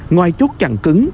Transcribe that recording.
ngoài chốt chặn cứng